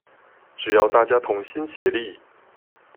只要大家同心協力